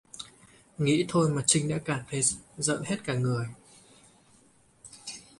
nghĩ thôi mà Trinh đã cảm thấy dợt hết cả người